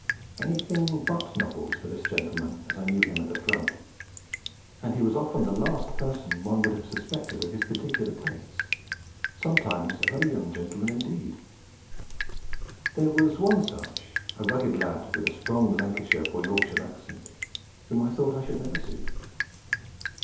Anything but novels for this gentleman as I knew him at the front; and he was often the last person one would have suspected of his particular tastes, sometimes a very young gentleman indeed. There was one such, a rugged lad with a strong Lancashire or Yorkshire accent, whom I thought I should never suit.